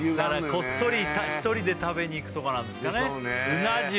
こっそり１人で食べにいくとこなんですかねでしょうね